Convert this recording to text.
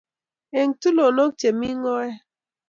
Eng' tulonok che mi ng'oet;